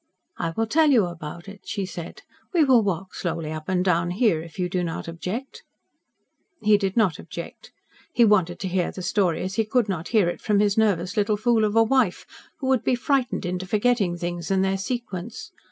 "I will tell you about it," she said. "We will walk slowly up and down here, if you do not object." He did not object. He wanted to hear the story as he could not hear it from his nervous little fool of a wife, who would be frightened into forgetting things and their sequence.